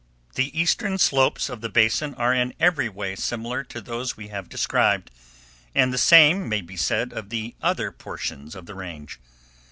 The eastern slopes of the basin are in every way similar to those we have described, and the same may be said of other portions of the range.